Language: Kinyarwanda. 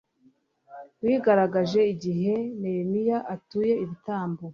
wigaragaje igihe nehemiya atuye ibitambo